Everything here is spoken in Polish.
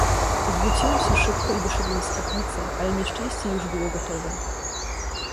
"Odwróciłem się szybko i wyszedłem z kaplicy, ale nieszczęście już było gotowe."